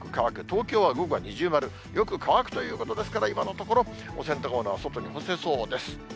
東京は午後は二重丸、よく乾くということですから、今のところ、お洗濯物は外に干せそうです。